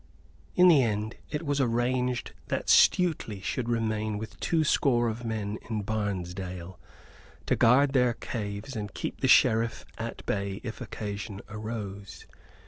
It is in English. In the end it was arranged that Stuteley should remain with two score of men in Barnesdale, to guard their caves and keep the Sheriff at bay if occasion arose.